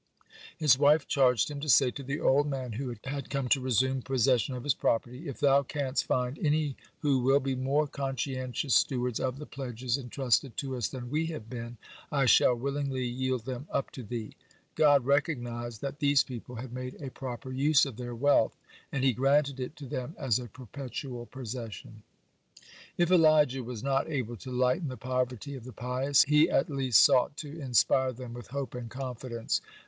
His wife charged him to say to the old man who had come to resume possession of his property: "If thou canst find any who will be more conscientious stewards of the pledges entrusted to us than we have been, I shall willingly yield them up to thee." God recognized that these people had made a proper use of their wealth, and He granted it to them as a perpetual possession. (56) If Elijah was not able to lighten the poverty of the pious, he at least sought to inspire them with hope and confidence.